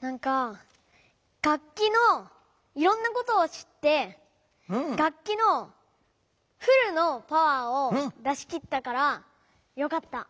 なんか楽器のいろんなことを知って楽器のフルのパワーを出しきったからよかった。